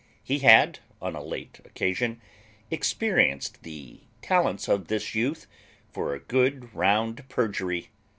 He had, on a late occasion, experienced the talents of this youth for a good round perjury.